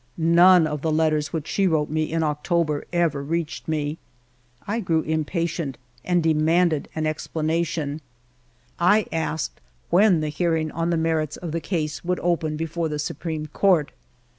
None of the letters which she wrote me in Oc tober ever reached me. I grew impatient and demanded an explanation. I asked when the hearing on the merits of the case would open 284 FIVE YEARS OF MY LIFE before the Supreme Court.